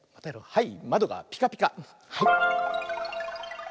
はい。